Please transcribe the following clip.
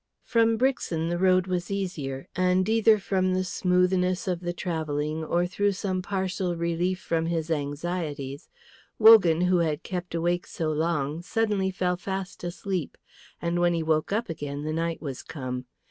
From Brixen the road was easier; and either from the smoothness of the travelling or through some partial relief from his anxieties, Wogan, who had kept awake so long, suddenly fell fast asleep, and when he woke up again the night was come.